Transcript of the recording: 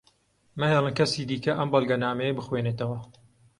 مەهێڵن کەسی دیکە ئەم بەڵگەنامەیە بخوێنێتەوە.